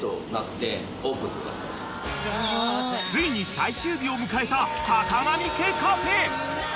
［ついに最終日を迎えたさかがみ家カフェ］